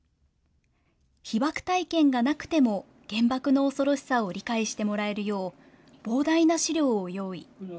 被爆体験がなくても、原爆の恐ろしさを理解してもらえるよう、膨大な資料を用意。